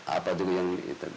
apa juga yang